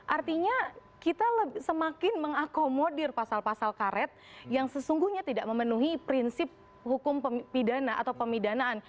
artinya kita semakin mengakomodir pasal pasal karet yang sesungguhnya tidak memenuhi prinsip hukum pidana atau pemidanaan